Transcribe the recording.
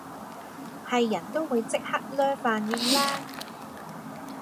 係人都會即刻 𦧲 飯應啦